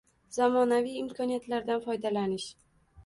Zamonaviy imkoniyatlardan foydalanish